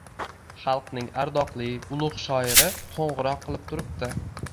Xalqning ardoqli, ulug‘ shoiri qo‘ng‘iroq qilib turibdi.